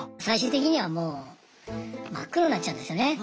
最終的にはもう真っ黒になっちゃうんですよね